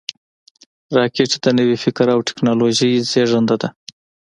راکټ د نوي فکر او ټېکنالوژۍ زیږنده ده